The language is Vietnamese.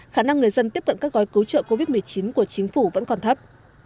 khả năng người dân tiếp cận các gói cứu trợ covid một mươi chín của chính phủ vẫn còn thấp